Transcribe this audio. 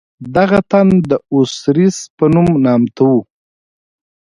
دغه تن د اوسیریس په نوم نامتوو.